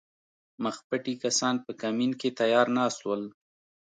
مخپټي کسان په کمین کې تیار ناست ول